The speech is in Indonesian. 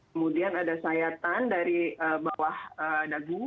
kemudian ada sayatan dari bawah dagu